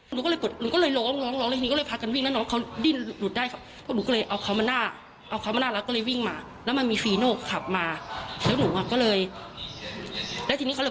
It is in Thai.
หนูก็เลยกดหนูก็เลยล้องเลยพักกันวิ่งแล้วหนูเขาดิ้นหลุดได้ค่ะ